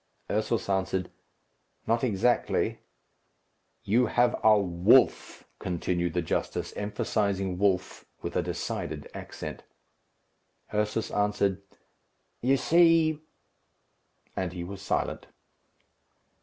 Ursus answered, "Not exactly." "You have a wolf," continued the justice, emphasizing "wolf" with a decided accent. Ursus answered, "You see " And he was silent.